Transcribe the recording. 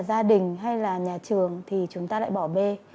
gia đình hay là nhà trường thì chúng ta lại bỏ bê